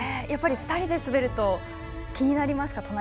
やっぱり２人で滑ると気になりますか。